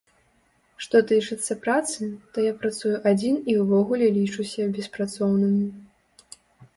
Што тычыцца працы, то я працую адзін і ўвогуле лічуся беспрацоўным.